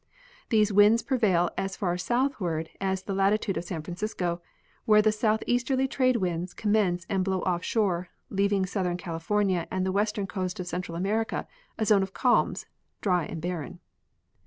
These winds prevail as far southward as the latitude of San Francisco, where the southeasterly trade Avinds commence and blow off shore, leaving southern California and the western coast of Central America a zone of calms, dry and barren.